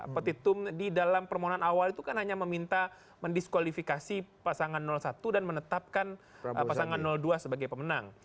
petitum di dalam permohonan awal itu kan hanya meminta mendiskualifikasi pasangan satu dan menetapkan pasangan dua sebagai pemenang